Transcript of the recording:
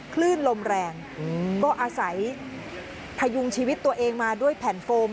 คลื่นลมแรงก็อาศัยพยุงชีวิตตัวเองมาด้วยแผ่นโฟม